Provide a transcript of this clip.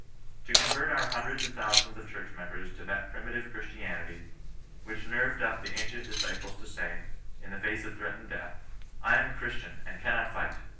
To convert our hundreds of thousands of church members to that primitive Christianity, which nerved up the ancient disciples to say, in the face of threatened death —*^ I am a Christian, and cannot fight